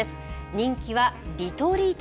人気はリトリート